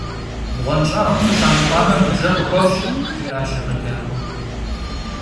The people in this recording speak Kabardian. - Бгъуэнщӏагъым фыщамыпӏамэ, мы бжэр къухуэфщӏ, – жиӏащ егъэджакӏуэм.